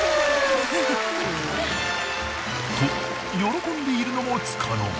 と喜んでいるのもつかの間。